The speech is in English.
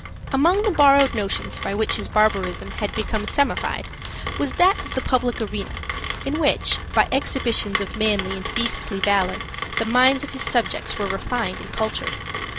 Among the borrowed notions by which his barbarism had become semified was that of the public arena, in which, by exhibitions of manly and beastly valor, the minds of his subjects were refined and cultured.